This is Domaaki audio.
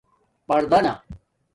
پردانہ